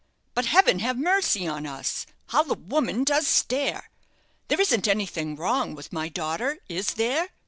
But heaven have mercy on us! how the woman does stare! There isn't anything wrong with my daughter, is there?